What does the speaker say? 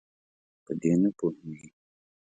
په دې نه پوهیږي.